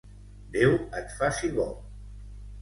Déu et faci bo!